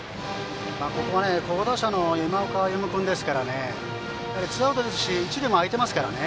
ここは好打者の今岡歩夢君ですからツーアウトですし一塁も空いていますからね。